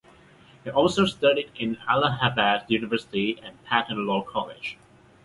He also studied in Allahabad University and Patna Law College.